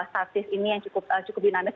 statis ini yang cukup dinamis